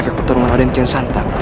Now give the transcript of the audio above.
semoga allah selalu melindungi kita